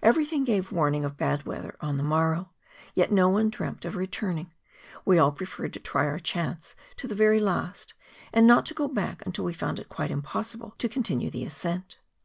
Everything gave warning of bad weather on the morrow, yet no one dreamt of returning; we all preferred to try our chance to the very last, and not to go back until we found it quite impossible to continue the ascent.